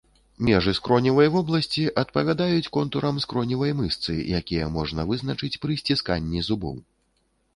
Межы скроневай вобласці адпавядаюць контурам скроневай мышцы, якія можна вызначыць пры сцісканні зубоў.